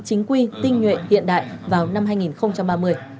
chính quy tinh nhuệ hiện đại vào năm hai nghìn ba mươi